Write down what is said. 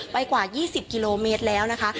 กว่า๒๐กิโลเมตรแล้วนะคะ